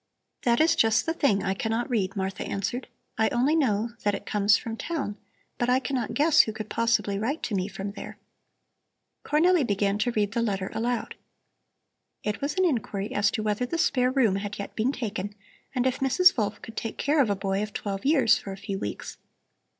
"That is just the thing I cannot read," Martha answered. "I only know that it comes from town, but I cannot guess who could possibly write to me from there." Cornelli began to read the letter aloud. It was an inquiry as to whether the spare room had yet been taken, and if Mrs. Wolf could take care of a boy of twelve years for a few weeks.